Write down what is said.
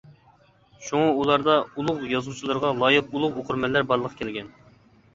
شۇڭا ئۇلاردا ئۇلۇغ يازغۇچىلىرىغا لايىق ئۇلۇغ ئوقۇرمەنلەر بارلىققا كەلگەن.